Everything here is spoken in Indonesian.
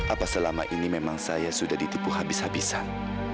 apa selama ini memang saya sudah ditipu habis habisan